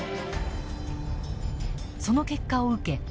その結果を受け